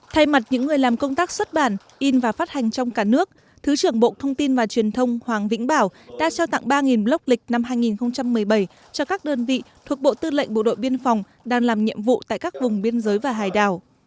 thay mặt những người làm công tác xuất bản in và phát hành trong cả nước thứ trưởng bộ thông tin và truyền thông hoàng vĩnh bảo đã trao tặng ba block lịch năm hai nghìn một mươi bảy cho các đơn vị thuộc bộ tư lệnh bộ đội biên phòng đang làm nhiệm vụ tại các vùng biên giới và hải đảo